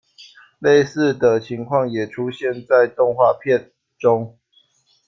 类似的情况也出现在动画片《》中。